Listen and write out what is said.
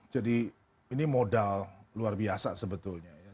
jadi ini modal luar biasa sebetulnya ya